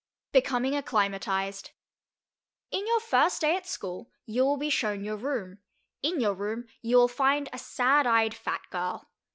BECOMING ACCLIMATIZED In your first day at school you will be shown your room; in your room you will find a sad eyed fat girl.